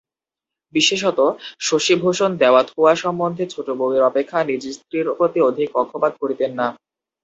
বিশেষত, শশিভূষণ দেওয়াথোওয়া সম্বন্ধে ছোটোবউয়ের অপেক্ষা নিজ স্ত্রীর প্রতি অধিক পক্ষপাত করিতেন না।